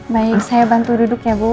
baik saya bantu duduk ya bu